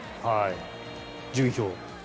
順位表。